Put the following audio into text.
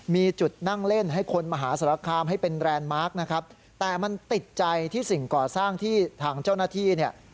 มีจุดนั่งเล่นให้คนมหาสารคามให้เป็นแรนด์มาร์คนะครับแต่มันติดใจที่สิ่งก่อสร้างที่ทางเจ้าหน้าที่เนี่ย